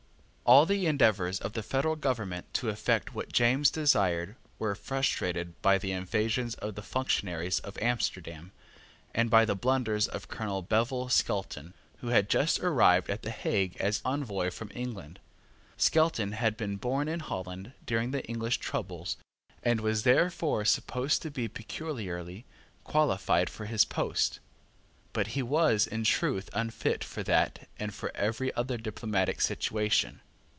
All the endeavours of the federal government to effect what James desired were frustrated by the evasions of the functionaries of Amsterdam, and by the blunders of Colonel Bevil Skelton, who had just arrived at the Hague as envoy from England. Skelton had been born in Holland during the English troubles, and was therefore supposed to be peculiarly qualified for his post; but he was, in truth, unfit for that and for every other diplomatic situation.